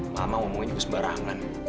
mama ngomongnya juga sembarangan